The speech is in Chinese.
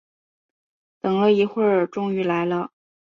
等了一会儿终于来了